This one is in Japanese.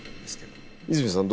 泉さん